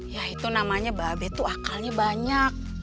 ya itu namanya babe tuh akalnya banyak